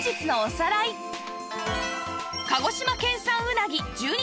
さらに鹿児島県産うなぎ１２